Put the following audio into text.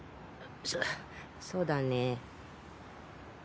そそだね。